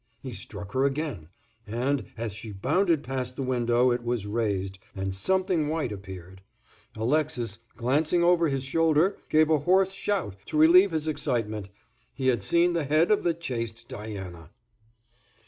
He struck her again, and, as she bounded past the window it was raised, and something white appeared. Alexis, glancing over his shoulder, gave a hoarse shout, to relieve his excitement; he had seen the head of the chaste Diana.